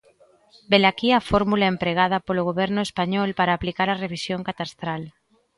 Velaquí a fórmula empregada polo goberno español para aplicar a revisión catastral.